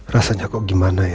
rasanya kok gimana ya